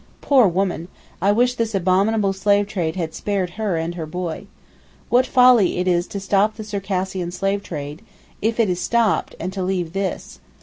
Poor woman; I wish this abominable slave trade had spared her and her boy. What folly it is to stop the Circassian slave trade, if it is stopped, and to leave this.